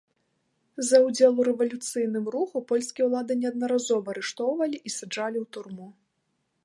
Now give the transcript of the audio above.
За ўдзел у рэвалюцыйным руху польскія ўлады неаднаразова арыштоўвалі і саджалі ў турму.